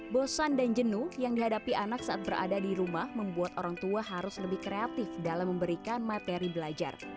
bosan dan jenuh yang dihadapi anak saat berada di rumah membuat orang tua harus lebih kreatif dalam memberikan materi belajar